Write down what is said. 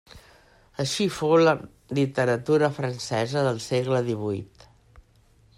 Així fou la literatura francesa del segle divuit.